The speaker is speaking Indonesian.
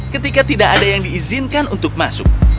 ketika tidak ada yang diizinkan untuk masuk